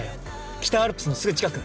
北アルプスのすぐ近く。